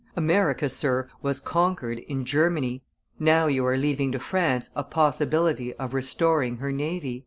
America, sir, was conquered in Germany. Now you are leaving to France a possibility of restoring her navy."